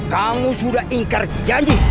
kamu sudah ingkar janji